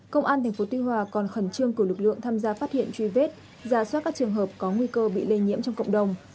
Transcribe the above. công an tp tuy hòa còn khẩn trương cử lực lượng tham gia phát hiện truy vết giả soát các trường hợp có nguy cơ bị lây nhiễm trong cộng đồng